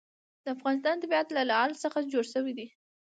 د افغانستان طبیعت له لعل څخه جوړ شوی دی.